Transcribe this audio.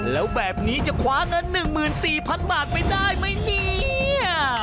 แล้วแบบนี้จะคว้าเงิน๑๔๐๐๐บาทไปได้ไหมเนี่ย